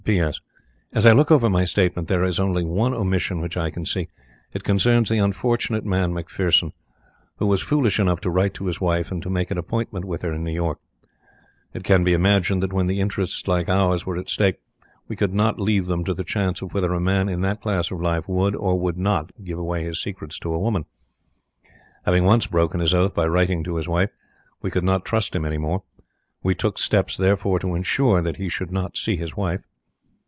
"P.S. As I look over my statement there is only one omission which I can see. It concerns the unfortunate man McPherson, who was foolish enough to write to his wife and to make an appointment with her in New York. It can be imagined that when interests like ours were at stake, we could not leave them to the chance of whether a man in that class of life would or would not give away his secrets to a woman. Having once broken his oath by writing to his wife, we could not trust him any more. We took steps therefore to insure that he should not see his wife.